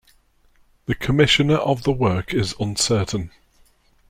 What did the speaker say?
The commissioner of the work is uncertain.